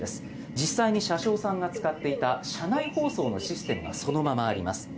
実際に車掌さんが使っていた車内放送のシステムがそのままあります。